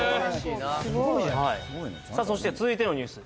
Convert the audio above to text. すごいさあそして続いてのニュース